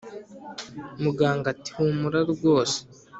muganga ati"humura rwose